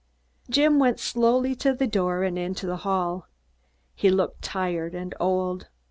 Jim went slowly to the door and into the hall. He looked tired and old.